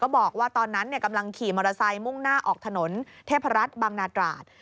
บอกว่าตอนนั้นกำลังขี่มอเตอร์ไซค์มุ่งหน้าออกถนนเทพรัฐบางนาตราด